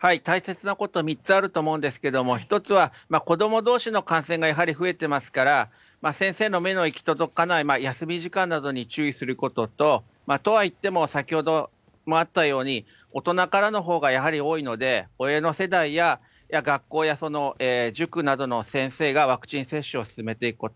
大切なことは３つあると思うんですけれども、１つは子どもどうしの感染がやはり増えてますから、先生の目の行き届かない休み時間などに注意することと、とはいっても、先ほどもあったように、大人からのほうがやはり多いので、親の世代や学校や塾などの先生がワクチン接種を進めていくこと。